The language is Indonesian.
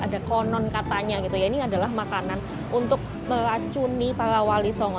ada konon katanya gitu ya ini adalah makanan untuk meracuni para wali songo